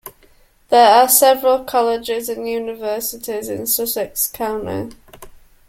There are several colleges and universities in Sussex County.